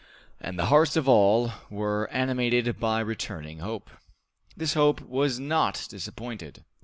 And the hearts of all were animated by returning hope. This hope was not disappointed.